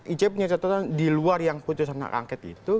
ic punya catatan di luar yang putusan hak angket itu